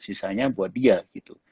sisanya buat dia gitu